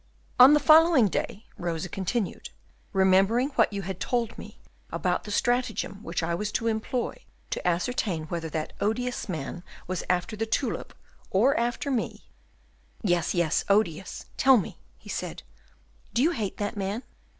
"On the following day," Rosa continued, "remembering what you had told me about the stratagem which I was to employ to ascertain whether that odious man was after the tulip, or after me " "Yes, yes, odious. Tell me," he said, "do you hate that man?"